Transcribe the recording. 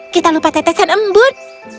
kita lupa tetesan embut